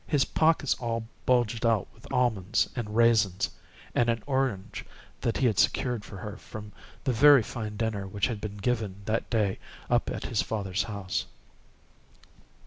His pockets all bulged out with almonds and raisins and an orange that he had secured for her from the very fine dinner which had been given that day up at his father's house.